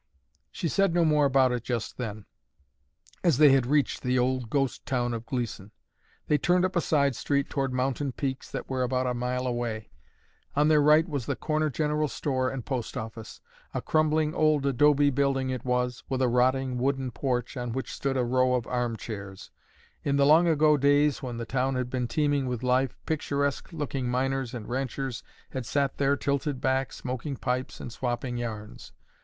She said no more about it just then, as they had reached the old ghost town of Gleeson. They turned up a side street toward mountain peaks that were about a mile away. On their right was the corner general store and post office. A crumbling old adobe building it was, with a rotting wooden porch, on which stood a row of armchairs. In the long ago days when the town had been teeming with life, picturesque looking miners and ranchers had sat there tilted back, smoking pipes and swapping yarns.